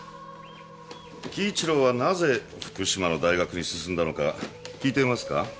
輝一郎はなぜ福島の大学に進んだのか聞いていますか？